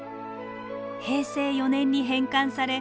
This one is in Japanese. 平成４年に返還され